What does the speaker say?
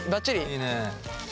いいね。